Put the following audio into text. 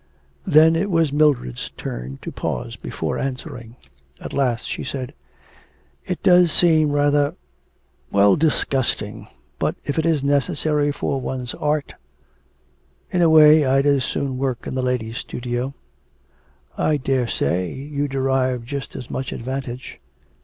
Then it was Mildred's turn to pause before answering. At last she said: 'It does seem rather well, disgusting, but if it is necessary for one's art. In a way I'd as soon work in the ladies' studio.' 'I daresay you derive just as much advantage.'